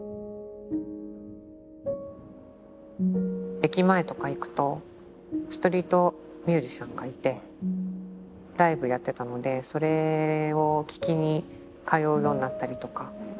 駅前とか行くとストリートミュージシャンがいてライブやってたのでそれを聴きに通うようになったりとか。